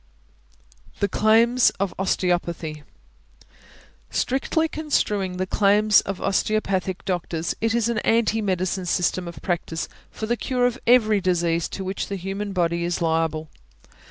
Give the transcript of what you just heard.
THE CLAIMS OF OSTEOPATHY. Strictly construing the claims of osteopathic doctors, it is an anti medicine system of practice for the cure of every disease to which the human body is liable.